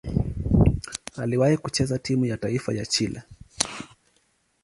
Aliwahi kucheza timu ya taifa ya Chile.